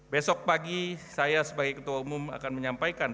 besok pagi saya sebagai ketua umum akan menyampaikan